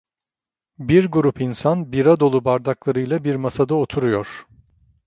Bir grup insan bira dolu bardaklarıyla bir masada oturuyor.